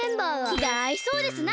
きがあいそうですな。